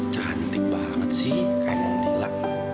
cantik banget sih kayak nondila